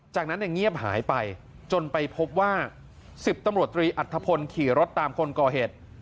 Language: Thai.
จากนั้นเงียบหายไปจนไปพบว่า๑๐ตำรวจตรีอัฐพลขี่รถตามคนก่อเหตุ